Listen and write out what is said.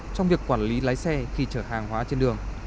trong việc quản lý lái xe khi chở hàng hóa trên đường